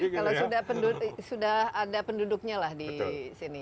kalau sudah ada penduduknya lah disini